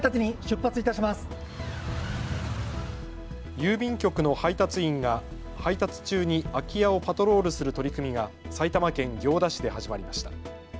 郵便局の配達員が配達中に空き家をパトロールする取り組みが埼玉県行田市で始まりました。